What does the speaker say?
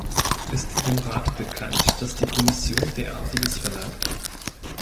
Ist dem Rat bekannt, dass die Kommission derartiges verlangt?